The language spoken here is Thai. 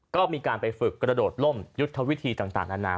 ก็มีการไปฝึกกระโดดล่มยุทธวิธีต่างนานา